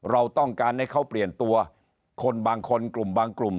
เราต้องการให้เขาเปลี่ยนตัวคนบางคนกลุ่มบางกลุ่ม